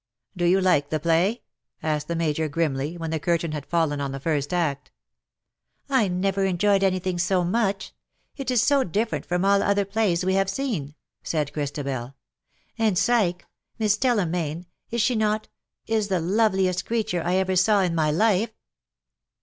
''^Do you like the play?^^ asked the Major, grimly, when the curtain had fallen on the first act. " I never enjoyed anything so much ! It is so different from all other plays we have seen,^^ said Christabel ;" and Psyche — Miss Stella Mayne, is she not — is the loveliest creature I ever saw in my life.'